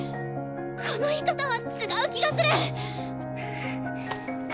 この言い方は違う気がするっ！